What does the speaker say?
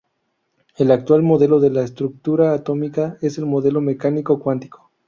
El actual modelo de la estructura atómica es el modelo mecánico cuántico.